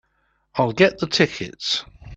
I'll get the tickets.